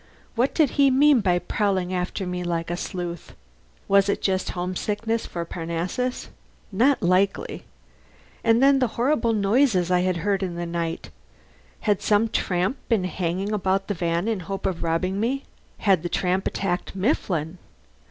What did he mean by prowling after me like a sleuth? Was it just homesickness for Parnassus? Not likely! And then the horrible noises I had heard in the night; had some tramp been hanging about the van in the hope of robbing me? Had the tramp attacked Mifflin?